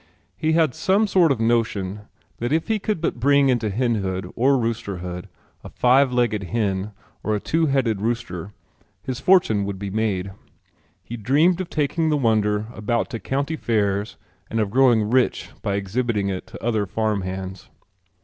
He had some sort of notion that if he could but bring into henhood or roosterhood a five legged hen or a two headed rooster his fortune would be made. He dreamed of taking the wonder about to county fairs and of growing rich by exhibiting it to other farm hands.